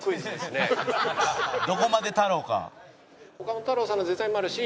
どこまで太郎か。